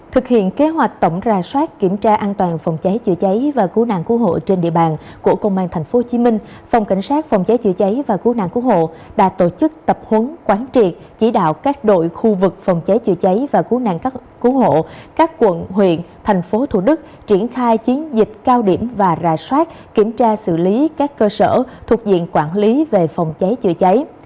trong kế hoạch tổng ra soát kiểm tra an toàn phòng cháy chữa cháy và cứu nạn cứu hộ trên địa bàn của công an tp hcm phòng cảnh sát phòng cháy chữa cháy và cứu nạn cứu hộ đã tổ chức tập huấn quán triệt chỉ đạo các đội khu vực phòng cháy chữa cháy và cứu nạn cứu hộ các quận huyện thành phố thủ đức triển khai chiến dịch cao điểm và ra soát kiểm tra xử lý các cơ sở thuộc diện quản lý về phòng cháy chữa cháy